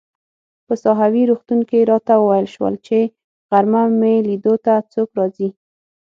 په ساحوي روغتون کې راته وویل شول چي غرمه مې لیدو ته څوک راځي.